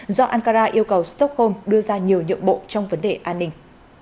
do ankara yêu cầu stockholm đưa ra nhiều nhượng bộ trong vấn đề an ninh